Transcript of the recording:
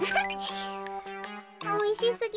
おいしすぎる。